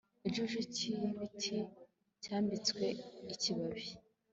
Igicucu cyibiti byambitswe ikibabi